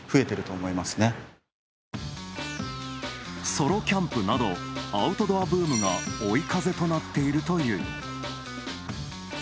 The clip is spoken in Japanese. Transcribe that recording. ソロキャンプなど、アウトドアブームが追い風となっているという。